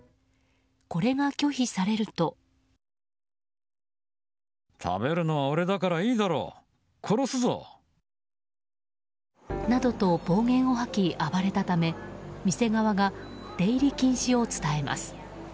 これが拒否されると。などと暴言を吐き暴れたため店側が出入り禁止を伝えます。